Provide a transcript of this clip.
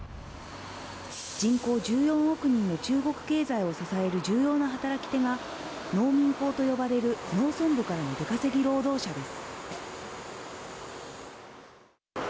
人口１４億人の中国経済を支える重要な働き手が、農民工と呼ばれる農村部からの出稼ぎ労働者です。